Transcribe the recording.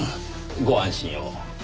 ご安心を。